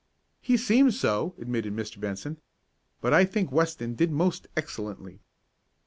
"He seems so," admitted Mr. Benson. "But I think Weston did most excellently."